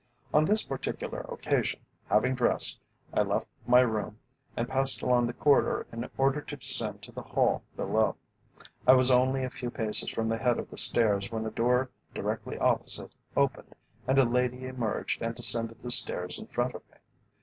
On this particular occasion, having dressed, I left my room and passed along the corridor in order to descend to the hall below. I was only a few paces from the head of the stairs when a door directly opposite opened, and a lady emerged and descended the stairs in front of me.